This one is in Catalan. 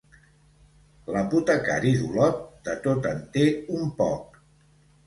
L'apotecari d'Olot, de tot en té un poc.